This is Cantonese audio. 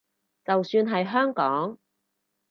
就算係香港